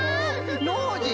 ノージー！